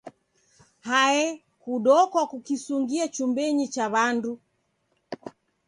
Hae, kudokwa kukisungia chumbenyi cha w'andu.